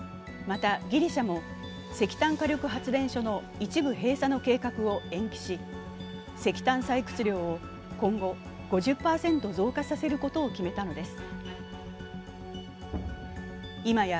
またギリシャも石炭火力発電所の一部閉鎖の計画を延期し石炭採掘量を今後、５０％増加させることを決めたのです。